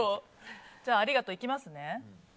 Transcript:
じゃあ、ありがとういきますね。